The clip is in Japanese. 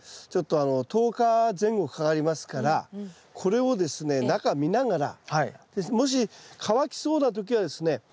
ちょっと１０日前後かかりますからこれをですね中見ながらもし乾きそうな時はですね